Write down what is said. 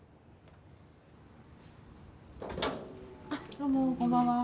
どうも、こんばんは。